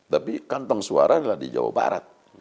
tapi kantong suara adalah di jawa barat